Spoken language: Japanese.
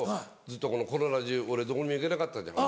ずっとこのコロナ中俺どこにも行けなかったじゃん。